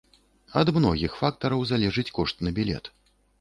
Ад многіх фактараў залежыць кошт на білет.